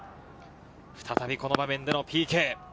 再びこの場面でのＰＫ。